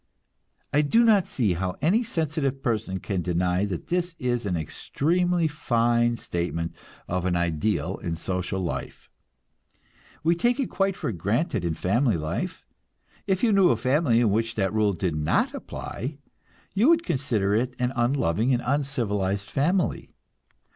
I do not see how any sensitive person can deny that this is an extremely fine statement of an ideal in social life. We take it quite for granted in family life; if you knew a family in which that rule did not apply, you would consider it an unloving and uncivilized family.